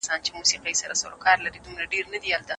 د خپلي مېرمني سره خيانت کوونکی به سزا وويني.